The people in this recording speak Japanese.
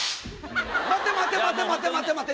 待て待て待て待て。